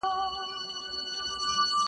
رسنۍ راپورونه جوړوي او خلک پرې خبري کوي,